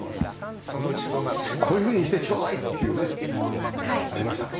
こういうふうにしてちょうだい！っていうねありました？